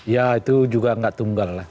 ya itu juga nggak tunggal lah